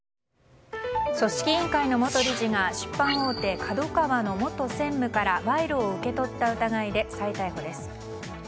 組織委員会の元理事が出版大手ＫＡＤＯＫＡＷＡの元専務から賄賂を受け取った疑いで再逮捕です。